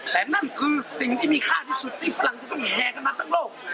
แต่นั่นคือสิ่งที่มีค่าที่สุดที่ฝรั่งจะต้องแห่กันมาทั้งโลก